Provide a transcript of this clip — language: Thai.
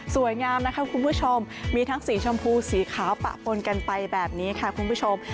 งามนะคะคุณผู้ชมมีทั้งสีชมพูสีขาวปะปนกันไปแบบนี้ค่ะคุณผู้ชม